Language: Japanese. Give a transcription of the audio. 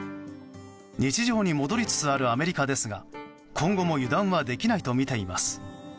日常に戻りつつあるアメリカですが今後も油断はできないとみています。